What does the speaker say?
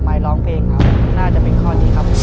ยร้องเพลงครับน่าจะเป็นข้อที่ครับ